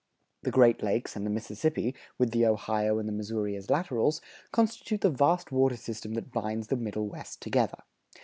The Great Lakes and the Mississippi, with the Ohio and the Missouri as laterals, constitute the vast water system that binds the Middle West together.